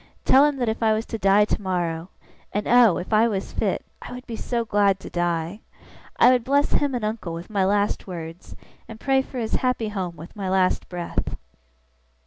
Tell him that if I was to die tomorrow (and oh, if I was fit, I would be so glad to die!) I would bless him and uncle with my last words, and pray for his happy home with my last breath!